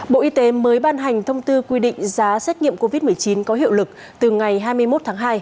bộ y tế mới ban hành thông tư quy định giá xét nghiệm covid một mươi chín có hiệu lực từ ngày hai mươi một tháng hai